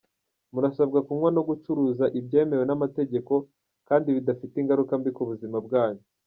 Murasabwa kunywa no gucuruza ibyemewe n’amategeko, kandi bidafite ingaruka mbi ku buzima bwanyu."